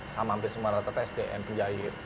sama hampir semua rata rata sdm penjahit